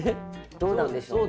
どうなんでしょうね。